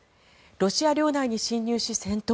ロシア領内に侵入し戦闘。